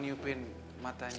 tidak ada yang mainly